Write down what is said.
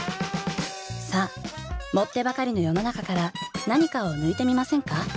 さあ盛ってばかりの世の中から何かを抜いてみませんか？